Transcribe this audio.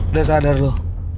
udah sadar lu